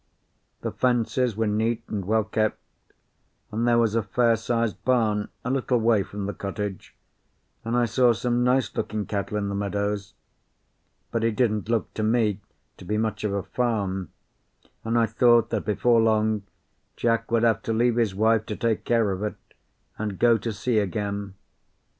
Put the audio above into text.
The fences were neat and well kept, and there was a fair sized barn a little way from the cottage, and I saw some nice looking cattle in the meadows; but it didn't look to me to be much of a farm, and I thought that before long Jack would have to leave his wife to take care of it, and go to sea again.